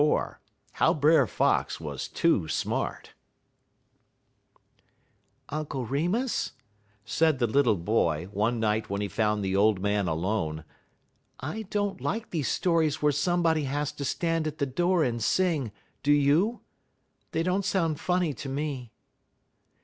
XLIV HOW BRER FOX WAS TOO SMART "Uncle Remus," said the little boy, one night when he found the old man alone, "I don't like these stories where somebody has to stand at the door and sing, do you? They don't sound funny to me."